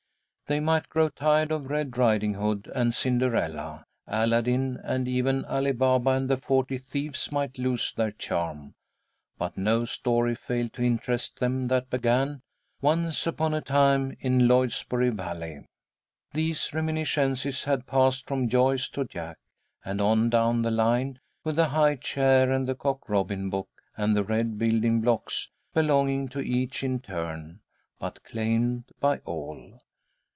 They might grow tired of Red Riding Hood and Cinderella. Aladdin and even Ali Baba and the forty thieves might lose their charm, but no story failed to interest them that began "Once upon a time in Lloydsboro Valley." These reminiscences had passed from Joyce to Jack, and on down the line, with the high chair and the Cock Robin book and the red building blocks, belonging to each in turn, but claimed by all.